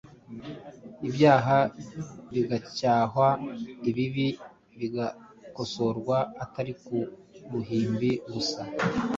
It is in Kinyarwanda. ibyaha bigacyahwa, ibibi bigakosorwa, atari ku ruhimbi gusa,